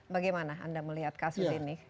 bagaimana anda melihat kasus ini